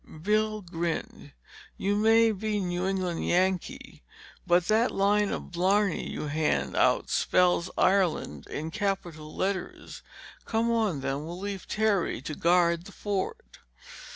Bill grinned. "You may be New England Yankee, but that line of blarney you hand out spells Ireland in capital letters! Come on then, we'll leave Terry to guard the fort."